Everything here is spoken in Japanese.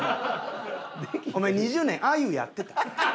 お前２０年鮎やってた？